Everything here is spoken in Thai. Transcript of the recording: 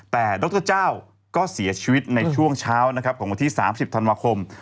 แต่ดรเจ้าก็เสียชีวิตในช่วงเช้านะครับของวันที่๓๐ธันวาคม